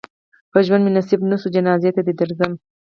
په ژوند مې نصیب نه شوې جنازې ته دې درځم.